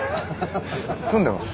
住んでます。